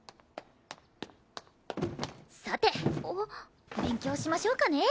さて勉強しましょうかね。